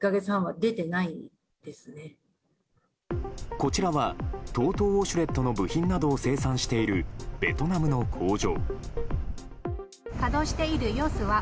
こちらはＴＯＴＯウォシュレットの部品などを生産しているベトナムの工場。